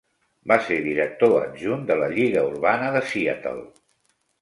Va ser director adjunt de la Lliga Urbana de Seattle.